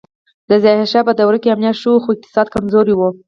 د ظاهر شاه په دوره کې امنیت ښه و خو اقتصاد کمزوری و